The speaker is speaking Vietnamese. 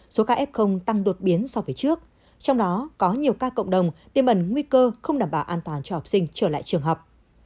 số ca f tăng đột biến so với trước trong đó có nhiều ca cộng đồng tiêm ẩn nguy cơ không đảm bảo an toàn cho học sinh trở lại trường học